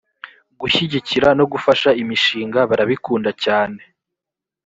gushyigikira no gufasha imishinga barabikunda cyane